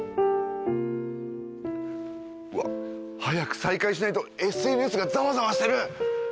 うわっ早く再開しないとＳＮＳがざわざわしてる。